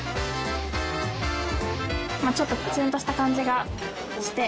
まあちょっとツンとした感じがして。